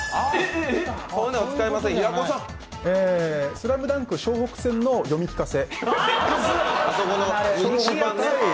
「スラムダンク」湘北戦の読み聞かせ。